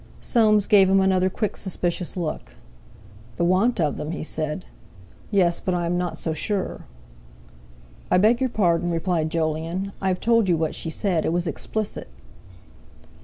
Soames gave him another quick suspicious look. "The want of them?" he said. "Yes, but I am not so sure." "I beg your pardon," replied Jolyon; "I've told you what she said. It was explicit."